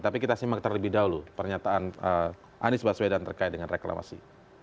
tapi kita simak terlebih dahulu pernyataan anies baswedan terkait dengan reklamasi